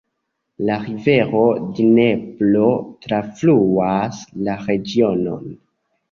La rivero Dnepro trafluas la regionon.